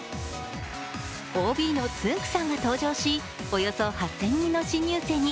ＯＢのつんく♂さんが登場し、およそ８０００人の新入生に